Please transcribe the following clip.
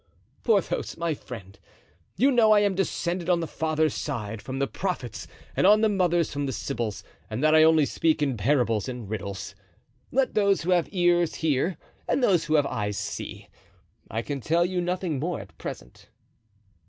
"Porthos, my friend, you know I am descended on the father's side from the Prophets and on the mother's from the Sybils, and that I only speak in parables and riddles. Let those who have ears hear and those who have eyes see; I can tell you nothing more at present."